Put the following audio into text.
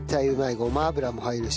ごま油も入るし。